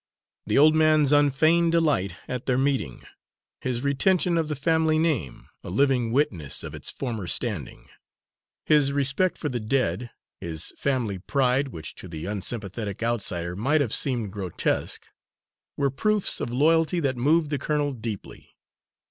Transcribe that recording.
The old man's unfeigned delight at their meeting; his retention of the family name, a living witness of its former standing; his respect for the dead; his "family pride," which to the unsympathetic outsider might have seemed grotesque; were proofs of loyalty that moved the colonel deeply.